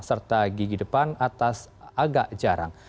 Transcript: serta gigi depan atas agak jarang